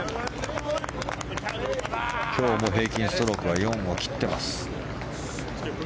今日も平均ストロークは４を切っています。